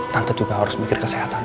tante juga harus mikir ke saya tante